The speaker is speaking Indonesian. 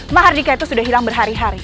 mahardika itu sudah hilang berhari hari